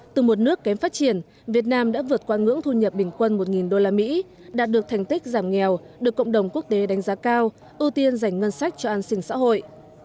từ một nước kém phát triển việt nam đã vượt qua ngưỡng thu nhập bình quân một usd đạt được thành tích giảm nghèo được cộng đồng quốc tế đánh giá cao ưu tiên dành ngân sách cho an sinh xã hội